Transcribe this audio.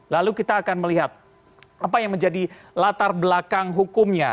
lalu kita akan melihat apa yang menjadi latar belakang hukumnya